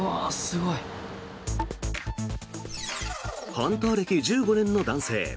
ハンター歴１５年の男性。